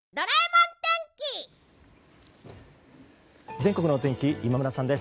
全国の天気今村さんです。